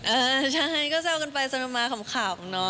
เออใช่ก็แซวกันไปสำหรับมาขำเนาะ